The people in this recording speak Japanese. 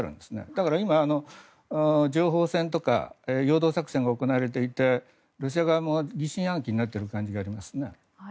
だから今、情報戦とか陽動作戦が行われている一帯ロシア側も疑心暗鬼になってる感じがありますね。